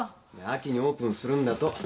秋にオープンするんだと。